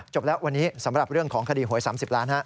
แล้ววันนี้สำหรับเรื่องของคดีหวย๓๐ล้าน